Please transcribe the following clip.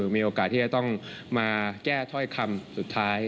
มีโอกาสที่จะต้องมาแก้ถ้อยคำสุดท้าย